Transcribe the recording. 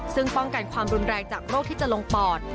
ซึ่งป้องกันความรุนแรงจากโรคที่จะลงปอด